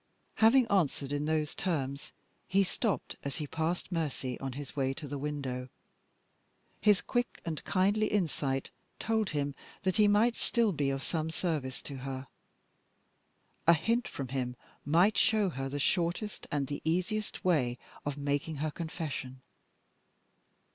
Having answered in those terms, he stopped as he passed Mercy, on his way to the window. His quick and kindly insight told him that he might still be of some service to her. A hint from him might show her the shortest and the easiest way of making her confession.